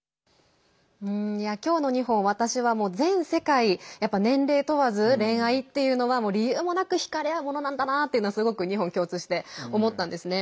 きょうの２本私は全世界、やっぱり年齢問わず恋愛っていうのは理由もなくひかれあうものなんだなっていうのはすごく２本共通して思ったんですね。